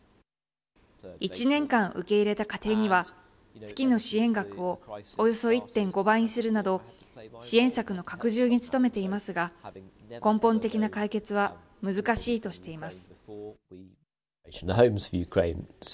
１年間受け入れた家庭には月の支援額をおよそ１．５倍にするなど支援策の拡充に努めていますが根本的な解決は難しいとしています。